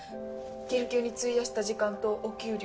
研究に費やした時間とお給料。